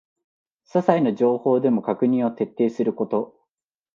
ささいな情報でも確認を徹底すること